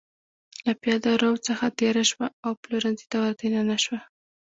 له پېاده رو څخه تېره شوه او پلورنځي ته ور دننه شوه.